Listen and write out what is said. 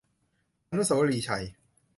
อนุสาวรีย์ชัย